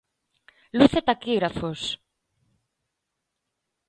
¡Luz e taquígrafos!